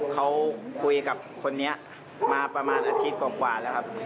เขาคุยกับคนนี้มาประมาณอาทิตย์กว่าแล้วครับ